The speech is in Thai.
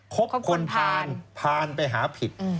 ครบคนผ่านพานไปหาผิด